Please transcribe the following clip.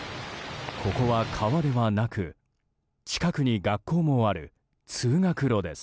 ここは川ではなく近くに学校もある通学路です。